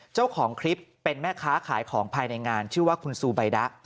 เจ้าของคลิปเป็นแม่ค้าขายของภายในงานชื่อว่าคุณซูใบดะ